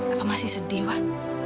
apa masih sedih wah